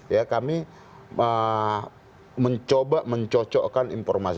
ya kami mencoba mencocokkan informasi